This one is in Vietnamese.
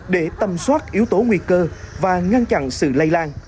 để tâm soát yếu tố nguy cơ và ngăn chặn sự lây lan